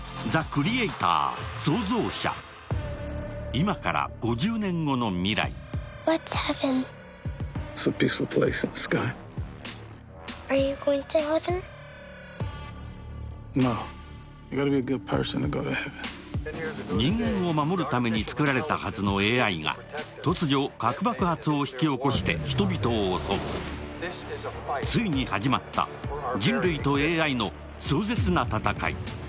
今から人間を守るために作られたはずのＡＩが突如核爆発を引き起こして人々を襲うついに始まった人類とＡＩの壮絶な戦い